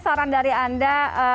saran dari anda